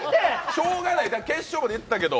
しょうがない、決勝まで行ったけど。